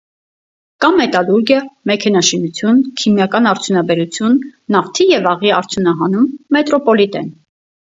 Կա մետալուրգիա, մեքենաշինություն, քիմիական արդյունաբերություն, նավթի և աղի արդյունահանում, մետրոպոլիտեն։